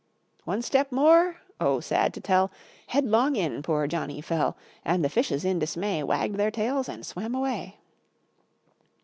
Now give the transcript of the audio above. One step more! oh! sad to tell! Headlong in poor Johnny fell. And the fishes, in dismay, Wagged their tails and swam away.